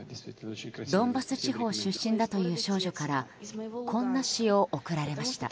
ドンバス地方出身だという少女からこんな詩を送られました。